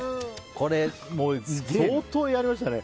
これ相当やりましたね。